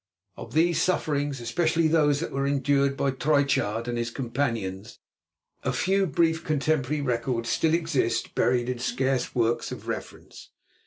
Of these sufferings, especially those that were endured by Triechard and his companions, a few brief contemporary records still exist, buried in scarce works of reference.